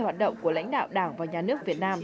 hoạt động của lãnh đạo đảng và nhà nước việt nam